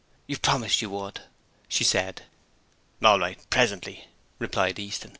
You promised you would,' she said. 'All right: presently,' replied Easton.